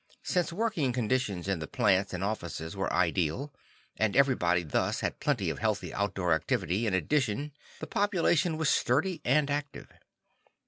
Since working conditions in the plants and offices were ideal, and everybody thus had plenty of healthy outdoor activity in addition, the population was sturdy and active.